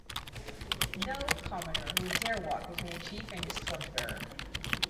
No commoner would dare walk between a chief and his torch-bearer.